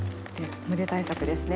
蒸れ対策ですね。